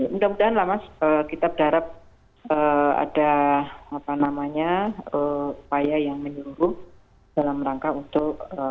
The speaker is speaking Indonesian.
mudah mudahan lah mas kita berharap ada upaya yang menyeluruh dalam rangka untuk